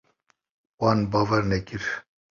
Wan bawer nekir.